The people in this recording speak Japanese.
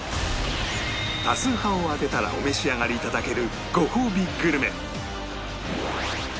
多数派を当てたらお召し上がり頂けるごほうびグルメ